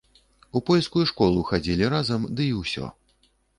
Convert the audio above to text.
У польскую школу хадзілі разам ды і ўсё.